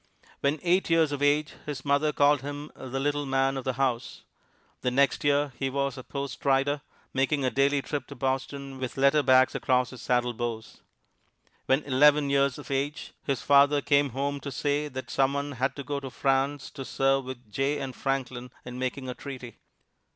When eight years of age, his mother called him the little man of the house. The next year he was a post rider, making a daily trip to Boston with letter bags across his saddlebows. When eleven years of age, his father came home to say that some one had to go to France to serve with Jay and Franklin in making a treaty.